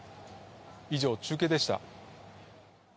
以上、中継でした。